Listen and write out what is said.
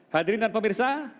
hadirin dan pemirsa